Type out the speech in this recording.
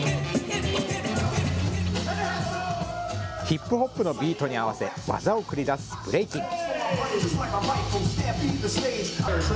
ヒップホップのビートに合わせ技を繰り出すブレイキン。